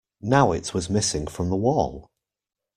Now it was missing from the wall.